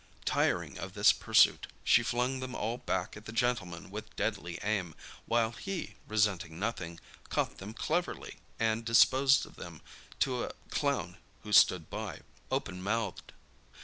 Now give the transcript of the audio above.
Tiring of this pursuit, she flung them all back at the gentleman with deadly aim, while he, resenting nothing, caught them cleverly, and disposed of them to a clown who stood by, open mouthed.